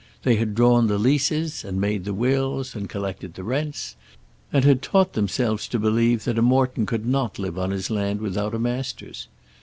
They had drawn the leases, and made the wills, and collected the rents, and had taught themselves to believe that a Morton could not live on his land without a Masters.